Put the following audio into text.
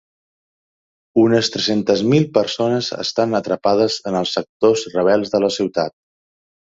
Unes tres-cents mil persones estan atrapades en els sectors rebels de la ciutat.